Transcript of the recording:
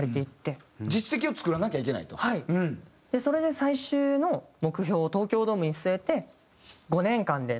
それで最終の目標を東京ドームに据えて。